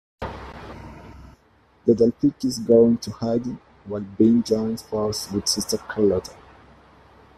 The Delphikis go into hiding, while Bean joins forces with Sister Carlotta.